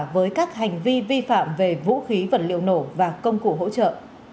với các hành vi vi phạm về vũ khí vật liệu nổ và công cụ hỗ trợ